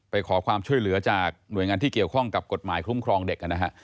ไปขอความช่วยเหลือจากหน่วยงานที่เกี่ยวข้องกับกฎหมายคุ้มครองเด็กนะฮะ